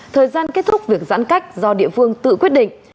thời gian kết thúc việc giãn cách do địa phương tự quyết định